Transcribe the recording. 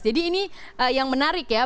jadi ini yang menarik ya